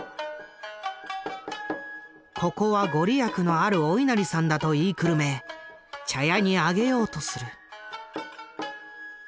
ここは御利益のあるお稲荷さんだと言いくるめ茶屋に上げようとする。